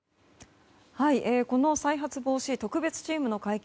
再発防止特別チームの会見